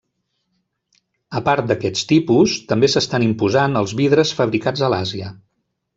A part d'aquests tipus, també s'estan imposant els vidres fabricats a l'Àsia.